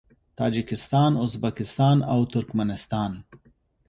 تاجکستان، ازبکستان او ترکمنستان